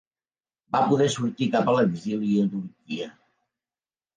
Va poder sortir cap a l'exili a Turquia.